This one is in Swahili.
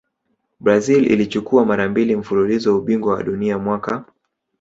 brazil ilichukua mara mbili mfululizo ubingwa wa dunia mwaka